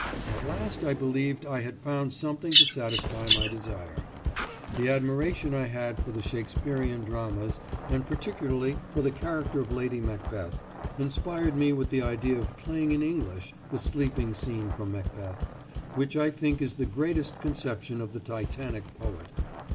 At last I believed I had found something to satisfy my desire. The admiration I had for the Shakespearean dramas, and particularly for the character of Lady Macbeth, inspired me with the idea of playing in English the sleeping scene from "Macbeth," which I think is the greatest conception of the Titanic poet.